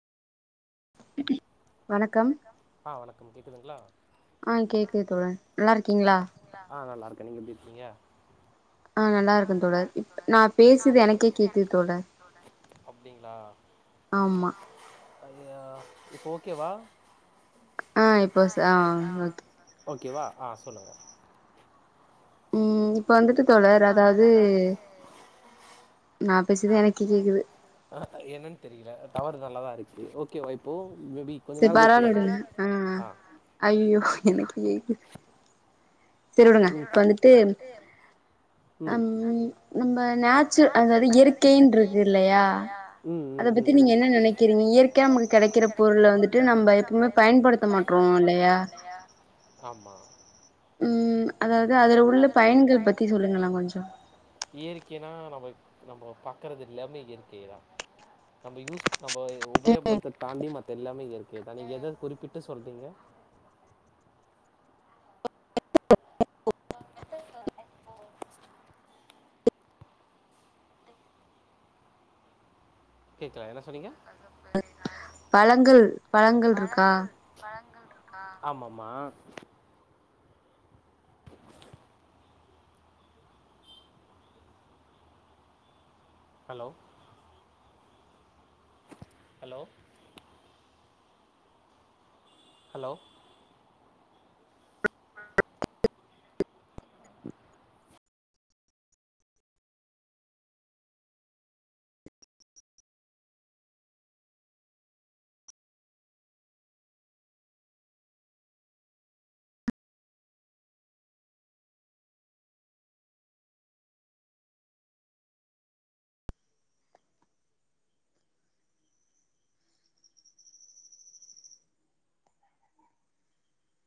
இடி வணக்கம் கம் கேக்குதுங்களா ஆஹ் கேக்குது தொழா நல்லா இருக்கீங்களா. கா நீங்க எப்டி இருக்கீங்க அப்புடிங்களா அய்யா இப்போ ஓகேவா ஆஹ் இப்போ ச ஆஹ ஓகே சொல்லுங்க ஆஹ என்னன்னு தெரியல டவறு நல்லதா இருக்கு ஓகே வைப்போ சரி பரவல விடுங்க ஆஹ் ஐயயோ எனக்கே கேக்கு சரி விடுங்க இப்ப வந்துட்டு ஈம் நம்ம நேச்சுரல் அதாவது இயற்கை இருக்கு இல்லையா அத பத்தி நீங்க என்ன நினைக்கிறீங்க. இயற்கையா நமக்கு கிடைக்கிற பொருள வந்துட்டு ட்டு நம்ம எப்பவுமே பயன்படுத்த மாட்றோம் இல்லையா இயற்கைனா நம்ம நம்ம பாக்குறது எல்லாமே இயற்கையைதான் நம்ம யூஸ் நம்ம உபயோகப்படுத்த தாண்டியும் மத்த எல்லாமே இயற்கையைதான் நீங்க எதை குறிப்பிட்டு சொல்றீங்க உன்கிட்ட சொன்னேன் இப்போ கேக்லா என்ன சொன்னீங்க. பழங்கள் பழங்கள் இருக்கா ஆமாமா ஹலோ ஹலோ ஹலோ [inaudible]